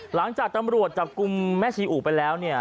หลังจากตำรวจจับกุมแม่ชิอุไปแล้ว